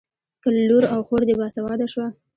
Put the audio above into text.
که لور او خور دې باسواده شوه.